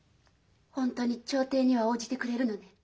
本当に調停には応じてくれるのね？